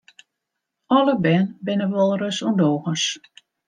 Alle bern binne wolris ûndogens.